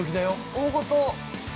◆大ごと。